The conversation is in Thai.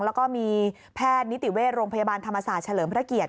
แล้วก็มีแพทย์นิติเวชโรงพยาบาลธรรมศาสตร์เฉลิมพระเกียรติ